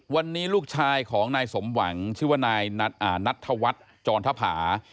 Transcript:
วันนี้ลูกชายของนายสมหวังชื่อว่านายนัทธวัฒน์จรทภา